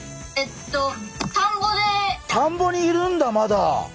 田んぼにいるんだまだ。